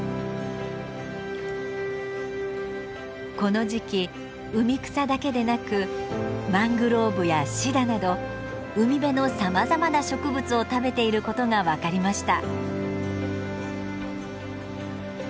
この時期海草だけでなくマングローブやシダなど海辺のさまざまな植物を食べていることが分かりました。